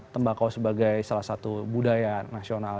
tembakau sebagai salah satu budaya nasional